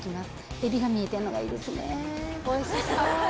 エビが見えてんのがいいですね、おいしそう。